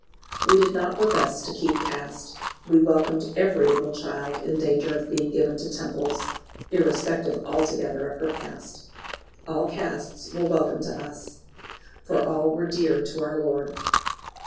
We did not profess to keep caste; we welcomed every little child in danger of being given to Temples, irrespective altogether of her caste. All castes were welcome to us, for all were dear to our Lord.